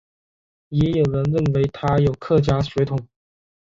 也有人认为他有客家血统。